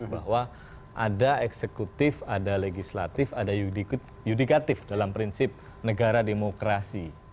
bahwa ada eksekutif ada legislatif ada yudikatif dalam prinsip negara demokrasi